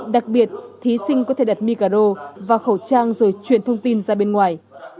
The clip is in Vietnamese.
đặc biệt thí sinh có thể đặt micro và khẩu trang rồi chuyển thông tin ra bên ngoài